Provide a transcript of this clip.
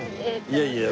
いやいや。